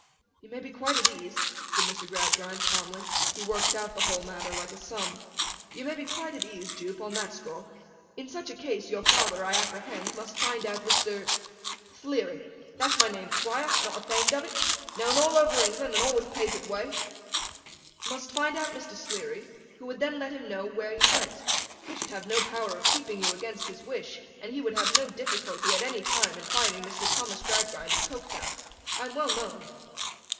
'You may be quite at ease,' said Mr. Gradgrind, calmly; he worked out the whole matter like a sum: 'you may be quite at ease, Jupe, on that score. In such a case, your father, I apprehend, must find out Mr.—' 'Thleary. Thath my name, Thquire. Not athamed of it. Known all over England, and alwayth paythe ith way.' 'Must find out Mr. Sleary, who would then let him know where you went. I should have no power of keeping you against his wish, and he would have no difficulty, at any time, in finding Mr. Thomas Gradgrind of Coketown. I am well known.